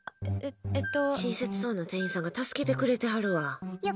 親切そうな店員が助けてくれてはるわ。